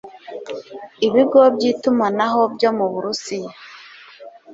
ibigo by itumanaho byo mu burusiy